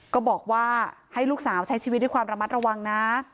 ก็บอกว่าให้ลูกสาวใช้ชีวิตด้วยความระมัดระวังนะ